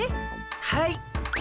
はい。